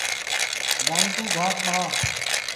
گائیں کُو گھاس ٻاہ